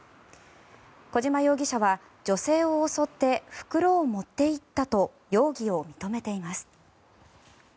小島容疑者は女性を襲って袋を持っていったと容疑を認めています。